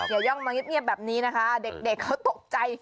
ย่องมาเงียบแบบนี้นะคะเด็กเขาตกใจ